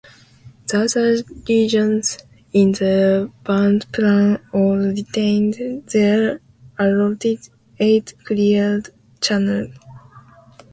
The other "regions" in the Band Plan all retained their allotted eight cleared channels.